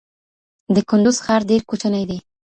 د کندوز ښار ډير کوچنی دی